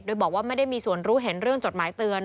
โดยบอกว่าไม่ได้มีส่วนรู้เห็นเรื่องจดหมายเตือน